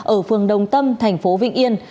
ở phường đông tâm thành phố vịnh yên